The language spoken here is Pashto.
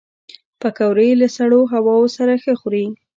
پکورې له سړو هواوو سره ښه خوري